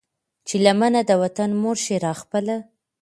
چې لمنه د وطن مور شي را خپله